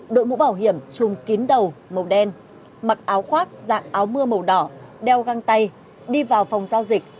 đội mũ bảo hiểm chùm kín đầu màu đen mặc áo khoác dạng áo mưa màu đỏ đeo găng tay đi vào phòng giao dịch